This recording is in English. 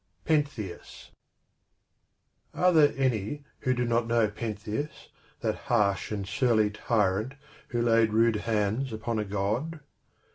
PENTHEUS ARE there any who do not know Pentheus, that harsh and surly tyrant who laid rude hands upon a God?